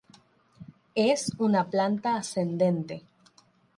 Es una planta ascendente.